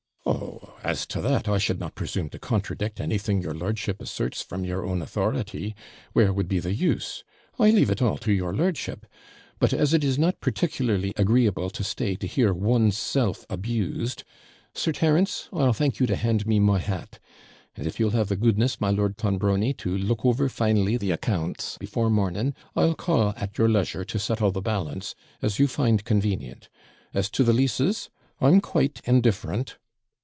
'Oh! as to that, I should not presume to contradict anything your lordship asserts from your own authority: where would be the use? I leave it all to your lordship. But, as it is not particularly agreeable to stay to hear one's self abused Sir Terence! I'll thank you to hand me my hat! And if you'll have the goodness, my Lord Clonbrony, to look over finally the accounts before morning, I'll call at your leisure to settle the balance, as you find convenient; as to the leases, I'm quite indifferent.'